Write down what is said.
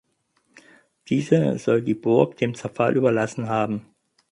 Diese soll die Burg dem Zerfall überlassen haben.